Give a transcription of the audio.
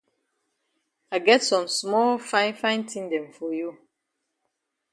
I get some small fine fine tin dem for you.